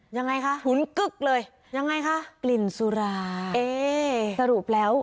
ยังไงคะหุนกึ๊กเลยยังไงคะกลิ่นสุราเอ๊สรุปแล้ว